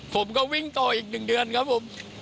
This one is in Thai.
ผมก็วิ่งต่ออีก๑เดือนครับผม